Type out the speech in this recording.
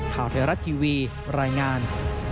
ข่าวไทยรัฐทีวีรายงาน